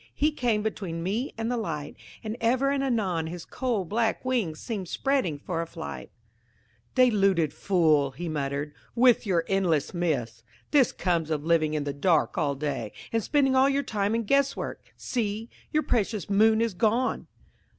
He came between me and the light, and ever and anon his coal black wings seemed spreading for a flight. "Deluded fool," he muttered, "with your endless myths! This comes of living in the dark all day, and spending all your time in guess work! See! your precious moon is gone!"